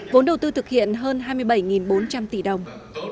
vốn đầu tư thực hiện hơn hai mươi bảy bốn trăm linh tỷ đồng